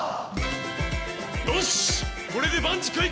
よしこれで万事解決。